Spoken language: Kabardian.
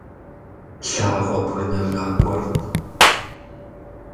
Лъагъуэ бгынэжа гуэрт.